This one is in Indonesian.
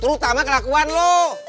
terutama kelakuan lo